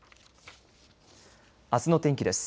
あすの天気です。